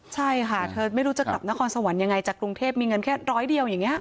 ใช่ค่ะเธอไม่รู้จะกลับนครสวรรค์ยังไงจากกรุงเทพมีเงินแค่ร้อยเดียวอย่างนี้